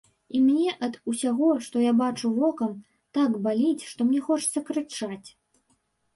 І мне ад усяго, што я бачу вокам, так баліць, што мне хочацца крычаць.